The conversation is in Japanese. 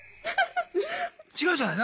違うじゃない。